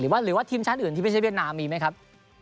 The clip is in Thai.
หรือว่าทีมชาติอื่นที่ไม่ใช่เวียดนามมีไหมครับ